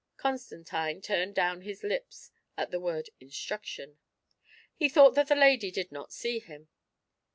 Constantine turned down his lips at the word instruction. He thought that the lady did not see him.